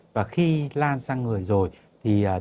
và khi lan sang người rồi thì chúng ta